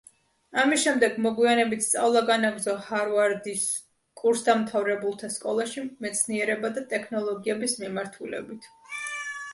ამის შემდეგ, მოგვიანებით სწავლა განაგრძო ჰარვარდის კურსდამთავრებულთა სკოლაში მეცნიერება და ტექნოლოგიების მიმართულებით.